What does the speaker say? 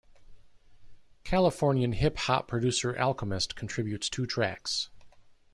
Californian hip-hop producer Alchemist contributes two tracks.